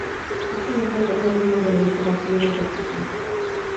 Es conocido por ser miembro del grupo masculino Sexy Zone.